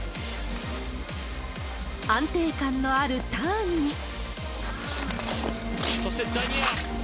安定感のあるターンに。